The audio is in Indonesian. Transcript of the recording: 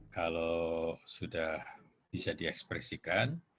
kalau sudah bisa diekspresikan